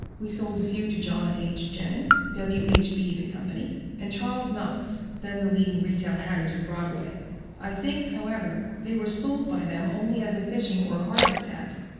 We sold a few to John H. Genin, W. H. Beebe & Co., and Charles Knox, then the leading retail hatters of Broadway. I think, however, they were sold by them only as a fishing or harvest hat.